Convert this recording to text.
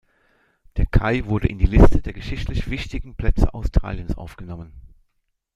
Der Kai wurde in die Liste der geschichtlich wichtigen Plätze Australiens aufgenommen.